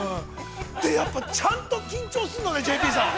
◆やっぱ、ちゃんと緊張するのね、ＪＰさん。